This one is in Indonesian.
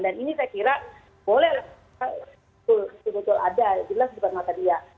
dan ini saya kira bolehlah sebetul betul ada jelas di depan mata dia